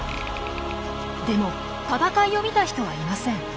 でも闘いを見た人はいません。